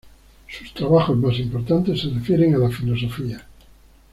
Sus trabajos más importantes se refieren a la filosofía.